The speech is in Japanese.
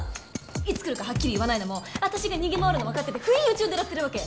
いつ来るかはっきり言わないのも私が逃げ回るのわかってて不意打ちを狙ってるわけ。